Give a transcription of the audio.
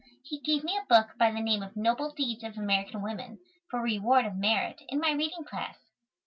He gave me a book by the name of "Noble Deeds of American Women," for reward of merit, in my reading class.